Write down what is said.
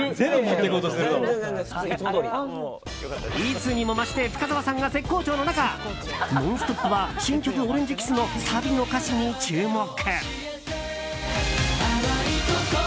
いつにも増して深澤さんが絶好調の中「ノンストップ！」は新曲「オレンジｋｉｓｓ」のサビの歌詞に注目。